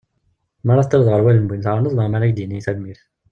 Mi ara teṭṭileḍ ɣer wallen n win tɛawneḍ neɣ mi ara ak-d-yini tanmirt.